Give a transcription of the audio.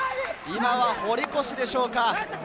今は堀越でしょうか？